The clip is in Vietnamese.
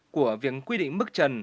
của việc quy định mức trần